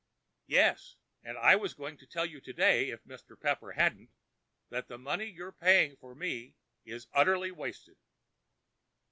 "Yes—and I was going to tell you today, if Mr. Pepper hadn't, that the money you're paying for me is utterly wasted."